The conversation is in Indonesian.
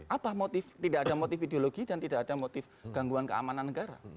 apa motif tidak ada motif ideologi dan tidak ada motif gangguan keamanan negara